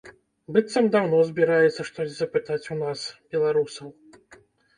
Быццам даўно збіраецца штось запытаць у нас, беларусаў.